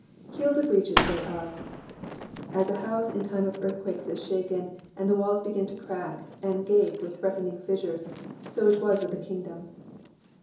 ''''Heal the breaches thereof, ^^ As a bouse in time of earthquake is shaken, and the walls begin to crack, and gape with threatening fissures, so was it with the kingdom.